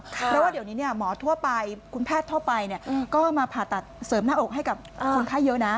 เพราะว่าเดี๋ยวนี้หมอทั่วไปคุณแพทย์ทั่วไปก็มาผ่าตัดเสริมหน้าอกให้กับคนไข้เยอะนะ